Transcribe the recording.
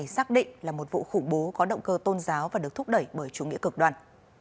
và đặc định là một vụ khủng bố có động cơ tôn giáo và được thúc đẩy bởi chủ nghĩa cực đoàn